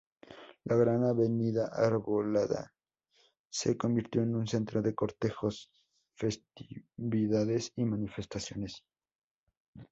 La gran avenida arbolada se convirtió en un centro de cortejos, festividades y manifestaciones.